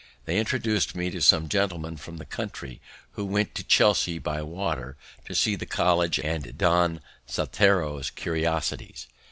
They introduc'd me to some gentlemen from the country, who went to Chelsea by water to see the College and Don Saltero's curiosities.